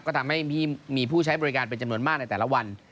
ก็ทำให้มีผู้ใช้บริการเป็นจำนวนมากในแต่ละวัน